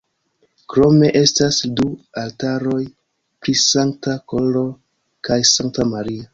Krome estas du altaroj pri Sankta Koro kaj Sankta Maria.